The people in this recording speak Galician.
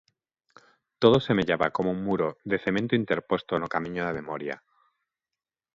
Todo semellaba como un muro de cemento interposto no camiño da memoria.